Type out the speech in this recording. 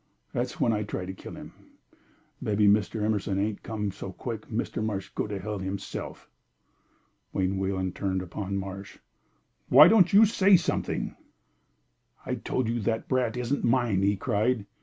That's when I try to kill him. Mebbe Mr. Emerson ain't come so quick, Mr. Marsh go to hell himself." Wayne Wayland turned upon Marsh. "Why don't you say something?" "I told you the brat isn't mine!" he cried.